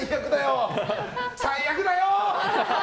最悪だよ！